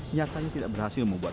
nyatanya tidak berhasil membuat